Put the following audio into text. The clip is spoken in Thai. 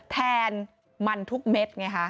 แทนมันทุกเม็ดไงคะ